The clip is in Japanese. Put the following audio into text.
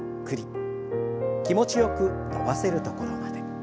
気持ちよく伸ばせるところまで。